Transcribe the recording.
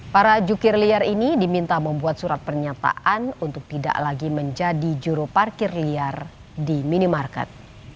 para jukir liar ini diminta membuat surat pernyataan untuk tidak lagi menjadi juru parkir liar di minimarket